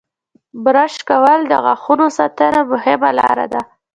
• برش کول د غاښونو ساتنې مهمه لاره ده.